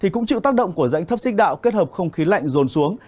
cũng chịu tác động của dãnh thấp xích đạo kết hợp không khí lạnh dồn xuống